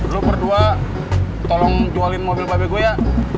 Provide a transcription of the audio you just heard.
lo berdua tolong jualin mobil pb gua ya